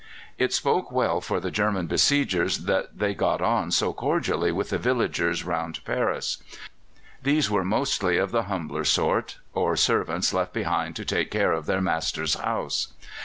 It spoke well for the German besiegers that they got on so cordially with the villagers round Paris. These were mostly of the humbler sort; or servants left behind to take care of their master's house.